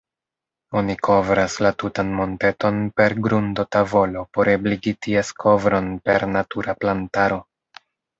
Oni kovras la tutan monteton per grundotavolo por ebligi ties kovron per natura plantaro.